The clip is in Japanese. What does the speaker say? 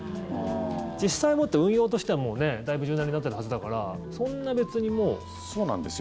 実際、もっと運用としてはだいぶ柔軟になってるはずだからそうなんですよ。